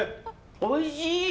おいしい！